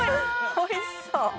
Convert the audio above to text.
おいしそう。